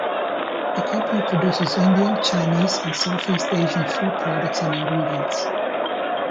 The company produces Indian, Chinese and South East Asian food products and ingredients.